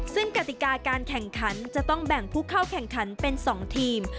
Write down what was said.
ซึ่งกติกาการแข่งขันจะต้องแบ่งผู้เข้าแข่งขันเป็น๒ทีม